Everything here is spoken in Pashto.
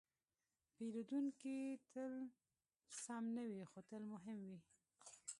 پیرودونکی تل سم نه وي، خو تل مهم وي.